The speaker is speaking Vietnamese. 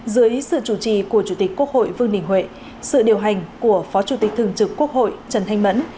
dưới sự chủ trì của chủ tịch quốc hội vương đình huệ sự điều hành của phó chủ tịch thường trực quốc hội trần thanh mẫn